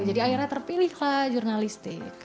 jadi akhirnya terpilih lah jurnalistik